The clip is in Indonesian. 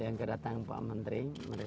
yang kedatang pak menteri